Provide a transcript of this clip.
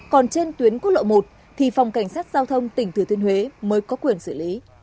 còn trên tuyến quốc lộ một thì phòng cảnh sát giao thông tỉnh thừa thiên huế mới có quyền xử lý